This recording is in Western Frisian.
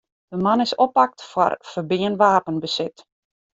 De man is oppakt foar ferbean wapenbesit.